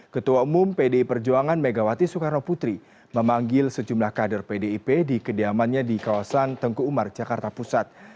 ketua umum pdi perjuangan megawati soekarno putri memanggil sejumlah kader pdip di kediamannya di kawasan tengku umar jakarta pusat